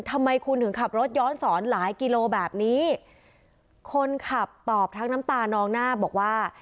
ทำไมคุณถึงขับรถย้อนสอนหลายกิโลแบบนี้คนขับตอบทั้งน้ำตานองหน้าบอกว่า